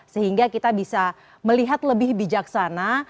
sehingga kita bisa melihat lebih bijaksana